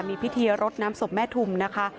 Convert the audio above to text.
มีพิเทียรถน้ำสมแม่ทุ่มนะคะ